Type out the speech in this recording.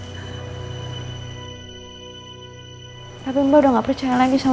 tapi mbak udah gak percaya lagi sama